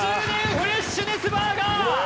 フレッシュネスバーガー